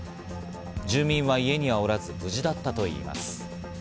住人は家におらず無事だったといいます。